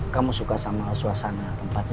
kamu suka sama suasana tempatnya